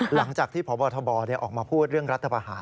หลังจากที่พบทบออกมาพูดเรื่องรัฐบาหาร